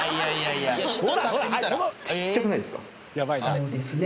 そうですね。